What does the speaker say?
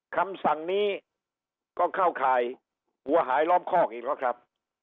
คำสั่งนี้ก็เข้าข่ายหัวหายล้อมคอกอีกแล้วครับ